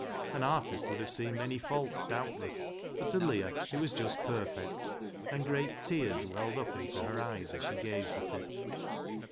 An artist would have seen many faults, doubtless, but to Leah it was just io6 BECKSIDE LIGHTS perfect, and great tears welled up into her eyes as she gazed at it.